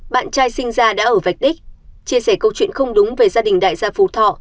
bạn trai sinh ra đã ở vạch đích chia sẻ câu chuyện không đúng về gia đình đại gia phú thọ